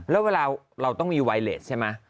แล้วเวลาเราต้องมีไวเลสใช่ไหม